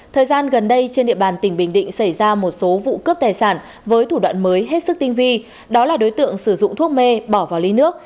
thời gian gần đây trên địa bàn tỉnh bình định xảy ra một số vụ cướp tài sản với thủ đoạn mới hết sức tinh vi đó là đối tượng sử dụng thuốc mê bỏ vào ly nước